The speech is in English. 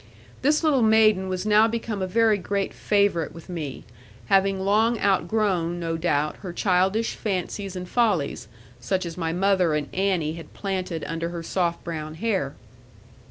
This little maiden was now become a very great favourite with me, having long outgrown, no doubt, her childish fancies and follies, such as my mother and Annie had planted under her soft brown hair.